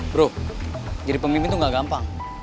bro jadi pemimpin itu gak gampang